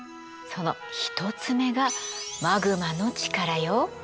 その１つ目がマグマの力よ。